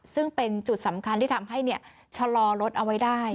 ซึ่งเป็นจุดสำคัญที่ทำให้ชะลอรถเอาไว้ได้